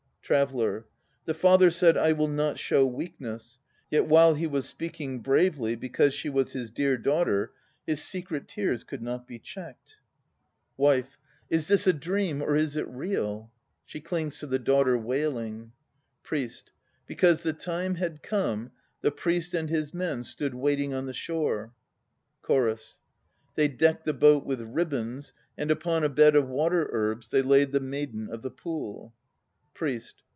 TRAVELLER. The father said "I will not show weakness," yet while he was speak bravely Because she was his dear daughter lli> secret tears Could not be checked. 202 THE NO PLAYS OF JAPAN WIFE. Is this a dream or is it real? (She clings to the daughter, wailing.) PRIEST. Because the time had come The Priest and his men Stood waiting on the shore CHORUS. They decked the boat with ribands And upon a bed of water herbs They laid the maiden of the Pool. PRIEST.